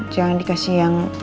jangan dikasih yang